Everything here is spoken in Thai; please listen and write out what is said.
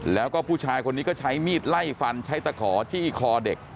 แล้วก็ผู้ชายคนนี้ก็ใช้มีดไล่ฟันใช้ตะขอจี้คอเด็ก